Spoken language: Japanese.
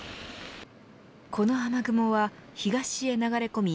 この雨雲は東へ流れ込み